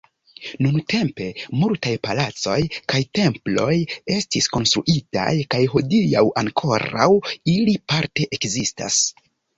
Nuntempe multaj palacoj kaj temploj estis konstruitaj, kaj hodiaŭ ankoraŭ ili parte ekzistas.